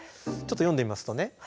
ちょっと読んでみますとね